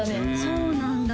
そうなんだ